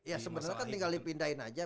ya sebenarnya kan tinggal lip pindahin aja